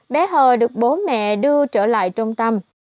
bé hờ được bố mẹ đưa trở lại trung tâm